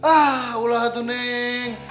ah ulah tuh neng